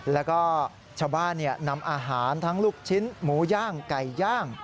แล้วก็ชาวบ้านนำอาหารทั้งลูกชิ้นหมูย่างไก่ย่าง